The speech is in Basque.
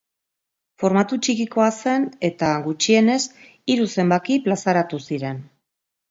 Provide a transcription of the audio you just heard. Formatu txikikoa zen eta gutxienez hiru zenbaki plazaratu ziren.